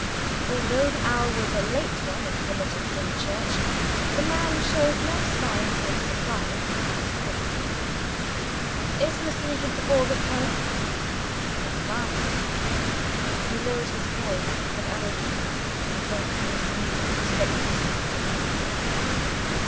Although the hour was already a late one in primitive Dimchurch, the man showed no signs of surprise at seeing me. "Is Mr. Nugent Dubourg at home?" "Yes, ma'am." He lowered his voice, and added, "I think Mr. Nugent expected to see you to night."